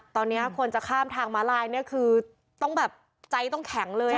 ตอนนี้คนจะข้ามทางม้าลายเนี่ยคือต้องแบบใจต้องแข็งเลย